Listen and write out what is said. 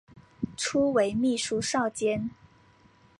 初为秘书少监。